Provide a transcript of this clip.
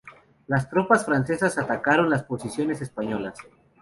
Las tropas francesas atacaron las posiciones españolas.